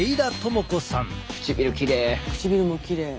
唇きれい。